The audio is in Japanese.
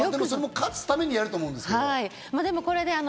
勝つためにそれもやると思うんですけど。